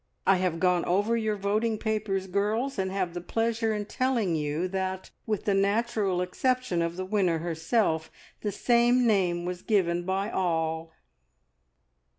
I have gone over your voting papers, girls, and have pleasure in telling you that, with the natural exception of the winner herself, the same name was given by all.